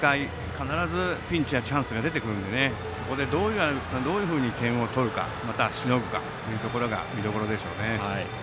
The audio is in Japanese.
必ずピンチやチャンスが出てくるのでそこでどういうふうに点を取るかまた、しのいでいくかが見どころですね。